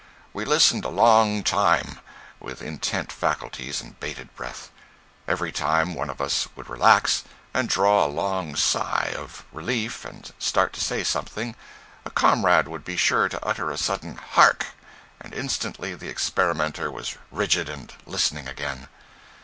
We listened a long time, with intent faculties and bated breath; every time one of us would relax, and draw a long sigh of relief and start to say something, a comrade would be sure to utter a sudden "Hark!" and instantly the experimenter was rigid and listening again.